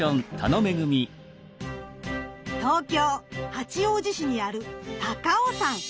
東京・八王子市にある高尾山。